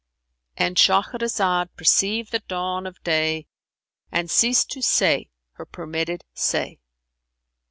'"[FN#376]—And Shahrazad perceived the dawn of day and ceased to say her permitted say.